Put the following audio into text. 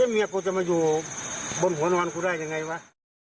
เมียกูจะมาอยู่บนหัวนอนกูได้ยังไงวะ